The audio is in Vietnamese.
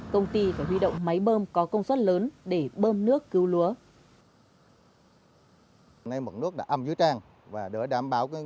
công ty phải huy động máy bơm có công suất lớn để bơm nước cứu lúa